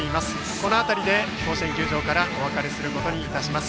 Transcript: この辺りで甲子園球場からお別れいたします。